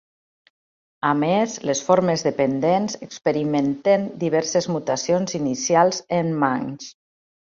A més, les formes dependents experimenten diverses mutacions inicials en manx.